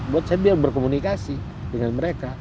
buat saya biar berkomunikasi dengan mereka